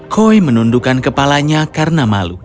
koi menundukkan kepalanya karena malu